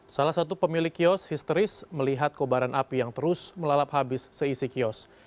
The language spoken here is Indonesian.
salah satu pemilik kios histeris melihat kobaran api yang terus melalap habis seisi kios